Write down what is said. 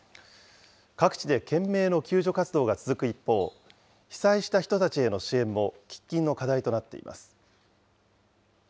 各地で懸命の救助活動が続く一方、被災した人たちへの支援も喫緊の課題となっています。